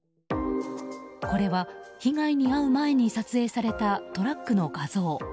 これは被害に遭う前に撮影されたトラックの画像。